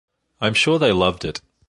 I’m sure they loved it.